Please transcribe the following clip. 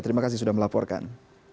terima kasih sudah melaporkan